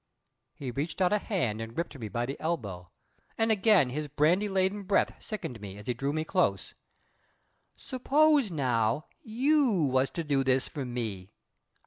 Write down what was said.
He reached out a hand and gripped me by the elbow; and again his brandy laden breath sickened me as he drew me close. "S'pose, now, you was to do this for me?